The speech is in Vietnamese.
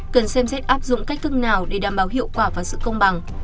cần xem xét áp dụng cách thức nào để đảm bảo hiệu quả và sự công bằng